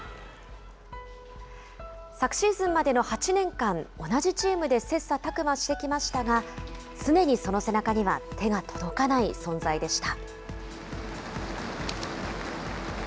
昨シーズンまでの８年間、同じチームで切さたく磨してきましたが、常にその背中には手が届かない存在でした。